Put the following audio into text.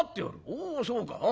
おおそうか。